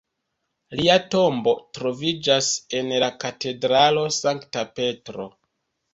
Lia tombo troviĝas en la katedralo Sankta Petro.